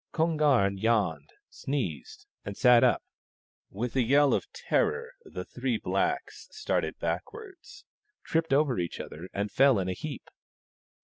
Kon garn yawned, sneezed, and sat up. With a yell of terror the three blacks started backwards, tripped over each other, and fell in a heap.